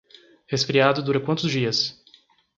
Resfriado dura quantos dias?